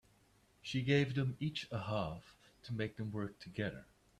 She gave them each a half to make them work together.